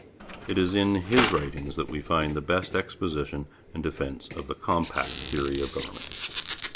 It is in his writings that we find the best exposition and defence of the 'Compact' theory of government.